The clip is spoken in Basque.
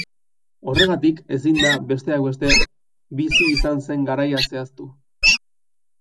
Horregatik ezin da, besteak beste, bizi izan zen garaia zehaztu.